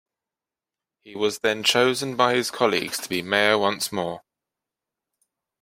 He was then chosen by his colleagues to be mayor once more.